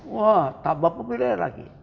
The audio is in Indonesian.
wah tak bapak pilih lagi